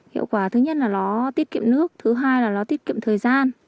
hiệu quả thứ nhất là nó tiết kiệm nước thứ hai là nó tiết kiệm thời gian